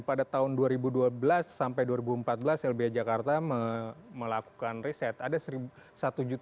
pada tahun dua ribu dua belas sampai dua ribu empat belas lbi jakarta melakukan risk assessment